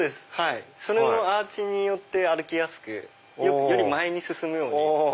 そのアーチによって歩きやすくより前に進むように。